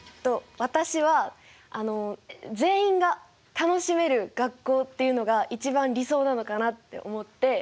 私はあの全員が楽しめる学校っていうのが一番理想なのかなって思って。